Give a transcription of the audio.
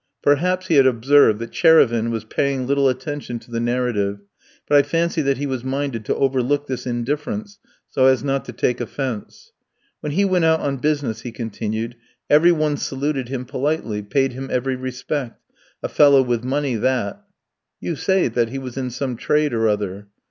Perhaps he had observed that Tchérévine was paying little attention to the narrative, but I fancy that he was minded to overlook this indifference, so as not to take offence. "When he went out on business," he continued, "every one saluted him politely, paid him every respect ... a fellow with money that." "You say that he was in some trade or other."